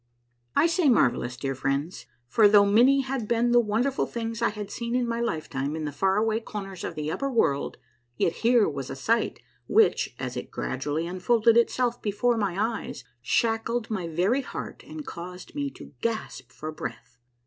I say marvellous, dear friends, for though many had been the wonderful things I had seen in my lifetime in the far away corners of the upper world, yet here was a sight which, as it 100 A MARVELLOUS UNDERGROUND JOURNEY gradually unfolded itself before my eyes, shackled my very heart and caused me to gasp for breath.